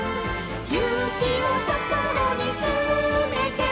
「ゆうきをこころにつめて」